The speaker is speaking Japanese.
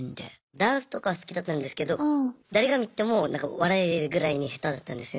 ダンスとかは好きだったんですけど誰が見ても笑えるぐらいに下手だったんですよ。